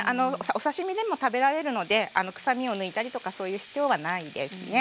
お刺身でも食べられるので臭みを抜いたりとかそういう必要はないんですね。